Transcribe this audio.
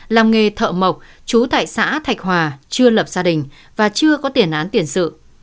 làm nghề thợ mộc trú tại xã thạch hòa chưa lập gia đình và chưa có tiền án tiền sự